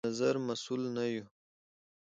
نظر مسوول نه يو